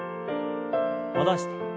戻して。